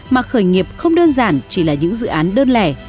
mà khởi nghiệp không đơn giản chỉ là những dự án đơn lẻ